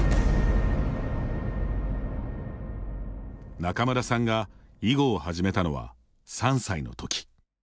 仲邑さんが囲碁を始めたのは３歳のとき。